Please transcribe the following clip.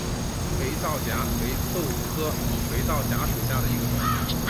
肥皂荚为豆科肥皂荚属下的一个种。